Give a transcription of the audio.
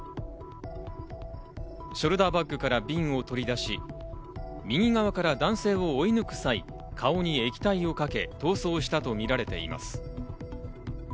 ショルダーバッグから瓶を取り出し、右側から男性を追い抜く際、顔に液体をかけ、逃走したとみられています。